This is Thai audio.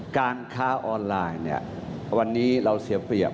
การค้าออนไลน์เนี่ยวันนี้เราเสียเปรียบ